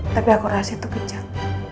tapi aku rasa itu kencang